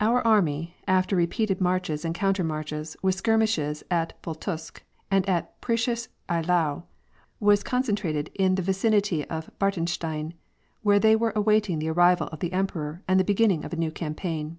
Our army, after repeated marches and countermarches, with skirmishes at Pultusk and at Preussisch Eylau, was concen trated in the vicinity of Bartenstein, where they were await ing the arrival of the emperor and the beginning of a new cam paign.